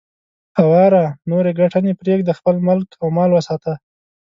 اواره نورې ګټنې پرېږده، خپل ملک او مال وساته.